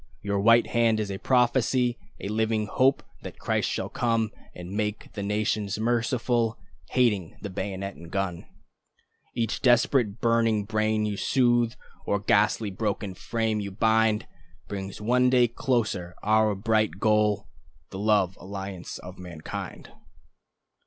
Your white hand is a prophecy, A living hope that Christ shall come And make the nations merciful, Hating the bayonet and drum. Each desperate burning brain you soothe, Or ghastly broken frame you bind, Brings one day nearer our bright goal, The love alliance of mankind.